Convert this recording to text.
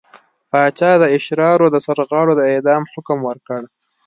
پاچا د اشرارو د سرغاړو د اعدام حکم ورکړ.